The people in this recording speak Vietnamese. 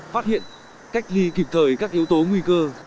phát hiện cách ly kịp thời các yếu tố nguy cơ